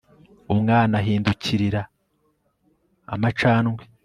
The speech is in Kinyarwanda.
Umwana ahindukirira amacandwe